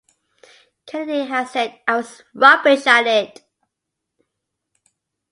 Kennedy has said: I was rubbish at it.